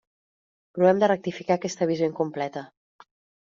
Provem de rectificar aquesta visió incompleta.